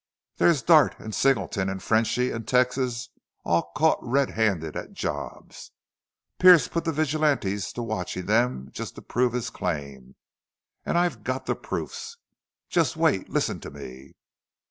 There's Dartt an' Singleton an' Frenchy an' Texas all caught red handed at jobs. Pearce put the vigilantes to watchin' them jest to prove his claim.... Aw! I've got the proofs! Jest wait. Listen to me!...